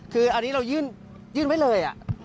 คืออันนี้เรายื่นไว้เลย